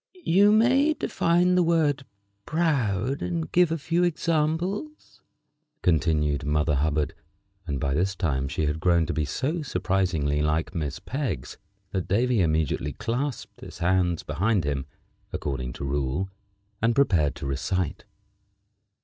"You may define the word proud, and give a few examples," continued Mother Hubbard; and by this time she had grown to be so surprisingly like Miss Peggs that Davy immediately clasped his hands behind him, according to rule, and prepared to recite.